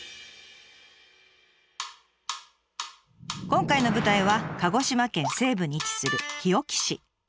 今回の舞台は鹿児島県西部に位置する日置市。